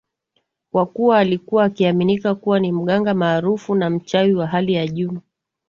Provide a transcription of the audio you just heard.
kwa kuwa alikuwa akiaminika kuwa ni mganga maarufu na mchawi wa hali ya juu